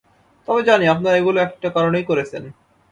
তবে জানি আপনারা এগুলো একটা কারণেই করেছেন।